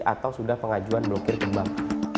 atau sudah pengajuan blokir kembang